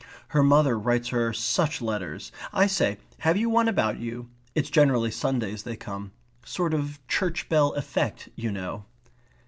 Her mother writes her such letters. I say have you one about you? It's generally Sundays they come. Sort of church bell effect, you know."